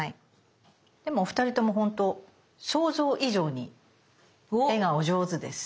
でもお二人ともほんと想像以上に絵がお上手です。